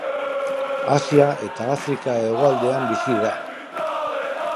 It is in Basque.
Asia eta Afrika hegoaldean bizi da.